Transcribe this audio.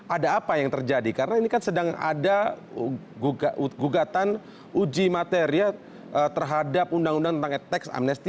ada apa yang terjadi karena ini kan sedang ada gugatan uji material terhadap undang undang tentang teks amnesty